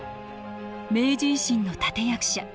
明治維新の立て役者